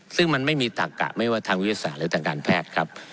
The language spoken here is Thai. ซึ่งมันไม่มีตักกะไม่ว่าทางวิทยาศาสตร์หรือทางการแพทย์ครับ